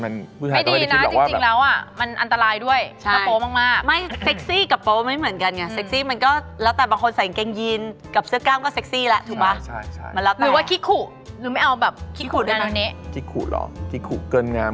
น่าจะบ้าอันนี้น่าจะบ้า